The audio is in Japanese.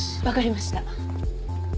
わかりました。